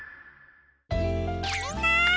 みんな！